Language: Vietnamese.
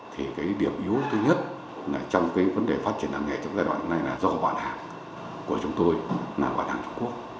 thì điểm yếu thứ nhất trong vấn đề phát triển làng nghề trong giai đoạn này là do bản hàng của chúng tôi bản hàng trung quốc